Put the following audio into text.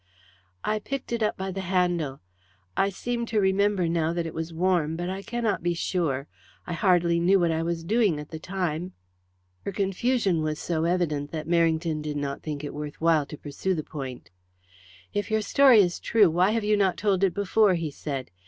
"I picked it up by the handle. I seem to remember now that it was warm, but I cannot be sure. I hardly knew what I was doing at the time." Her confusion was so evident that Merrington did not think it worth while to pursue the point. "If your story is true, why have you not told it before?" he said.